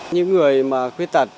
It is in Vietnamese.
những người mà khuyết tật